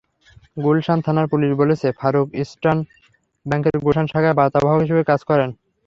গুলশান থানার পুলিশ বলেছে, ফারুক ইস্টার্ন ব্যাংকের গুলশান শাখায় বার্তাবাহক হিসেবে কাজ করেন।